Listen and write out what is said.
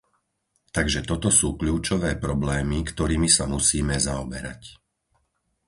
Takže toto sú kľúčové problémy, ktorými sa musíme zaoberať.